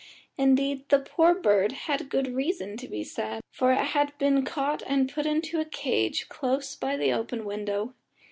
Indeed the poor bird had good reason to be sad, for it had been caught and put into a cage close by the open window.